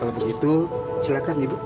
kalau begitu silakan ibu